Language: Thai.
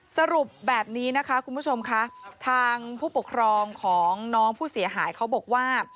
สรุปแบบนี้นะคะคุณผู้ชมค่ะทางผู้ปกครองของน้องผู้เสียหายเขาบอกว่า